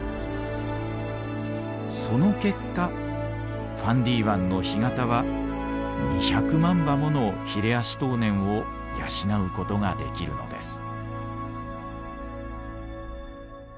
その結果ファンディ湾の干潟は２００万羽ものヒレアシトウネンを養うことができるのです。